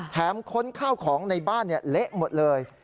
ค้นข้าวของในบ้านเละหมดเลย